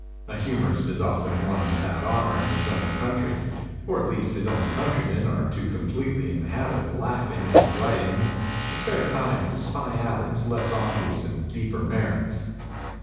A humorist is often without honor in his own country, or at least his own countrymen are too completely in the habit < ing at his writings to spare time to spy out its less obvious and deeper nu rits.